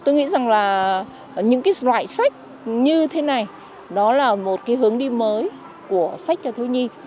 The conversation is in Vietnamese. những cái loại sách như thế này đó là một cái hướng đi mới của sách cho thư nhi